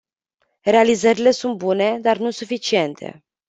Realizările sunt bune, dar nu suficiente.